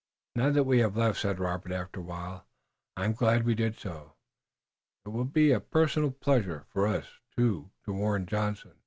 "Now that we have left," said Robert, after a while, "I'm glad we did so. It will be a personal pleasure for us two to warn Johnson."